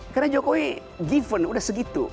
karena jokowi given sudah segitu